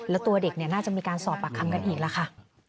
แล้วตัวเด็กน่าจะมีการสอบปากคำกันอีกแล้วค่ะ